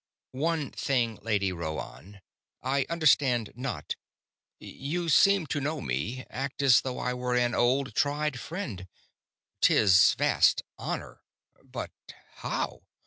"One thing, Lady Rhoann, I understand not. You seem to know me; act as though I were an old, tried friend. 'Tis vast honor, but how?